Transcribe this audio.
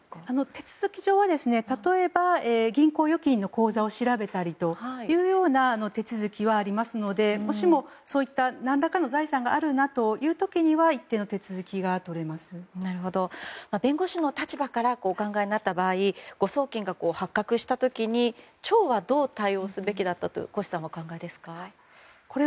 手続き上は銀行預金の口座を調べたりというような手続きはありますのでそういった何らかの財産があるなという時には弁護士の立場からお考えになった場合誤送金が発覚した時に町はどう対応するべきだったと越さんはお考えですか。